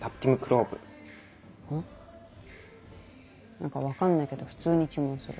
何か分かんないけど普通に注文する。